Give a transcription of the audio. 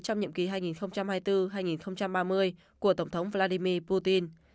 trong nhiệm kỳ hai nghìn hai mươi bốn hai nghìn ba mươi của tổng thống vladimir putin